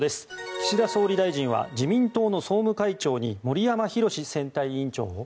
岸田総理大臣は自民党の総務会長に森山裕選対委員長を。